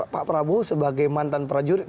pak prabowo sebagai mantan prajurit